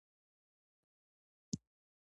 نومیالی روسی لیکوال او څېړونکی، ډاکټر اسلانوف،